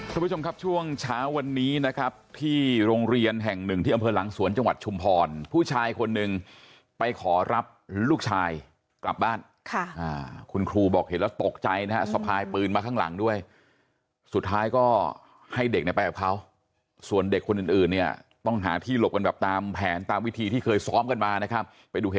คุณผู้ชมครับช่วงเช้าวันนี้นะครับที่โรงเรียนแห่งหนึ่งที่อำเภอหลังสวนจังหวัดชุมพรผู้ชายคนหนึ่งไปขอรับลูกชายกลับบ้านค่ะคุณครูบอกเห็นแล้วตกใจนะฮะสะพายปืนมาข้างหลังด้วยสุดท้ายก็ให้เด็กเนี่ยไปกับเขาส่วนเด็กคนอื่นอื่นเนี่ยต้องหาที่หลบกันแบบตามแผนตามวิธีที่เคยซ้อมกันมานะครับไปดูเหตุ